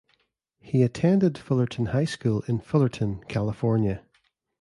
He attended Fullerton High School in Fullerton, California.